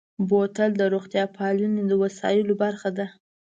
بوتل د روغتیا پالنې د وسایلو برخه ده.